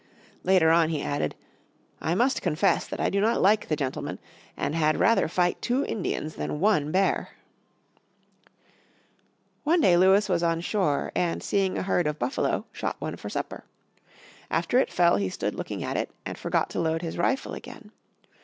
Later on he added, "I must confess that I do not like the gentlemen, and had rather fight two Indians than one bear." One day Lewis was on shore, and seeing a herd of buffalo shot one for supper. After it fell he stood looking at it, and forgot to load his rifle again.